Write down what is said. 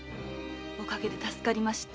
お陰で助かりました。